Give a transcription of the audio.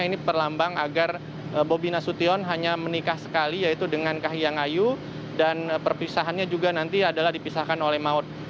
ini perlambang agar bobi nasution hanya menikah sekali yaitu dengan kahiyang ayu dan perpisahannya juga nanti adalah dipisahkan oleh maut